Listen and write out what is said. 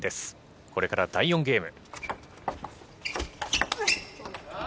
これから第４ゲーム。